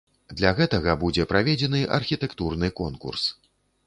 Для гэтага будзе праведзены архітэктурны конкурс.